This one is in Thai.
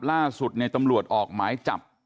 ล่าสุดในตำรวจออกหมายจับ